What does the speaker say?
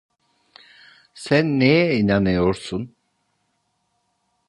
Sen neye inanıyorsun?